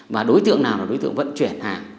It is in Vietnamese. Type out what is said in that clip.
và đối tượng nào là đối tượng vận chuyển hàng